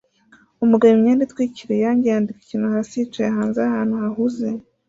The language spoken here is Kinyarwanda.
Umugabo imyenda itwikiriye irangi yandika ikintu hasi yicaye hanze ahantu hahuze